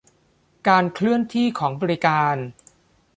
การเคลื่อนที่ของบริการ